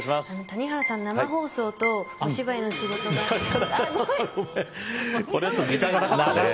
谷原さん生放送とお芝居の仕事が。